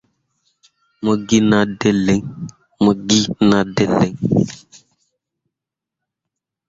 Mo gi nah ɗǝǝ lǝŋ.